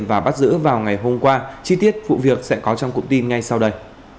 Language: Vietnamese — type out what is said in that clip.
và bắt giữ vào ngày hôm qua chi tiết vụ việc sẽ có trong cụm tin ngay sau đây